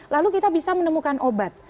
lalu kita bisa menemukan obat